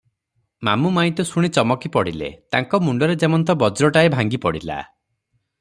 ମାମୁ ମାଇଁ ତ ଶୁଣି ଚମକି ପଡ଼ିଲେ, ତାଙ୍କ ମୁଣ୍ଡରେ ଯେମନ୍ତ ବଜ୍ରଟାଏ ଭାଙ୍ଗି ପଡିଲା ।